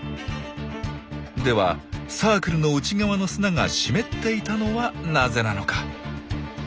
ではサークルの内側の砂が湿っていたのはなぜなのか？